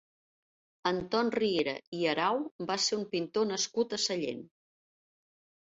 Anton Riera i Arau va ser un pintor nascut a Sallent.